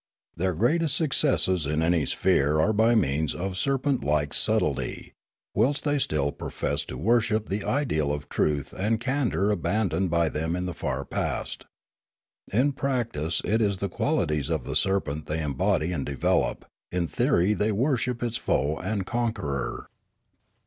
Their greatest successes in any sphere are by means of serpent like subtlety, whilst they still profess to worship the ideal of truth and candour aban doned by them in the far past. In practice it is the qualities of the serpent they embody and develop ; in theory they worship its foe and conqueror.